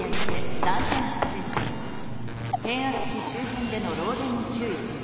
変圧器周辺での漏電に注意せよ」。